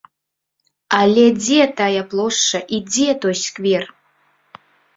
Але дзе тая плошча і дзе той сквер?